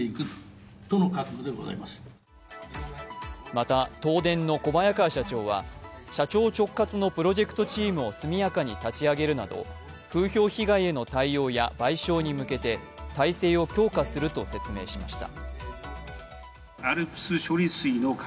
また、東電の小早川社長は、社長直轄のプロジェクトチームを速やかに立ち上げるなど、風評被害への対応や賠償に向けて、体制を強化すると説明しました。